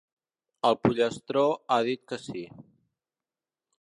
El pollastró ha dit que sí.